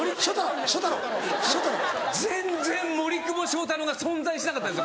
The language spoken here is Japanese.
全然森久保祥太郎が存在しなかったんです